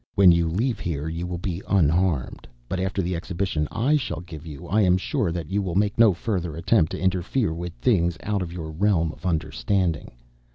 When you leave here, you will be unharmed but after the exhibition I shall give you, I am sure that you will make no further attempt to interfere with things out of your realm of understanding."